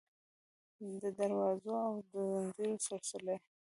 د دروازو او د ځنځیر سلسلې